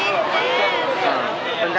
masih luar biasa